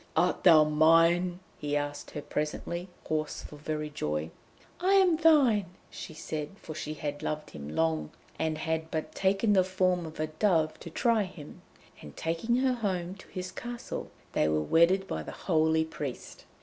'Art thou mine?' he asked her presently, hoarse for very joy. 'I am thine!' she said, for she had loved him long, and had but taken the form of a dove to try him. And taking her home to his castle, they were wedded by the holy priest.